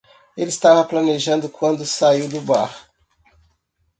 Ele estava planejando quando saiu do bar.